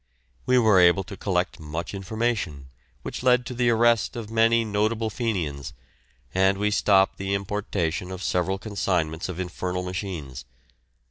We were able to collect much information, which led to the arrest of many notable Fenians, and we stopped the importation of several consignments of infernal machines.